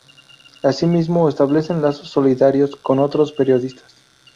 Asimismo establecen lazos solidarios con otros periodistas.